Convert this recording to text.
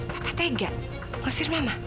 papa tega mengusir mama